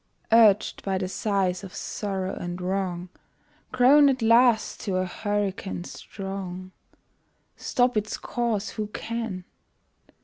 Urged by the sighs of sorrow and wrong, Grown at last to a hurricane strong, Stop its course who can!